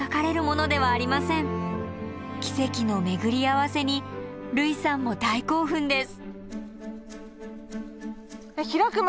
奇跡の巡り合わせに類さんも大興奮です。